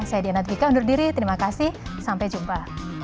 saya diana twika undur diri terima kasih sampai jumpa